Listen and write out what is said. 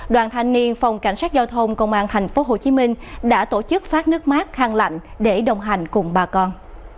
đoàn thanh niên phòng cảnh sát giao thông công an thành phố hồ chí minh đã tổ chức phát nước mát khăn lạnh để đồng hành cùng bà con